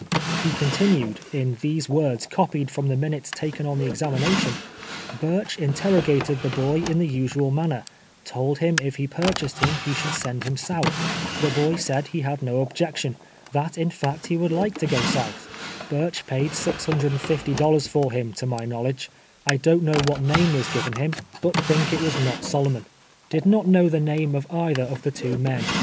lie continued, in these words, copied from the min utes taken on the examination :" Bureh interrogated the l)oy in the usual manner, told him if he purclias ed him he should send him south. Tlie boy said jie bad no objection, that in fact he would like to go south. Burch paid $G50 for him, to my knowledge. I don't know what name was given him, but think it SHEKELS AKD THOEiN". 315 was not Solomon. Did not know the name of eitlie;* of the two men.